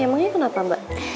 emangnya kenapa mbak